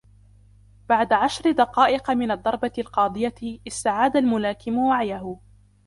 بعد عشر دقائق من الضربة القاضية ، استعاد الملاكم وعيه.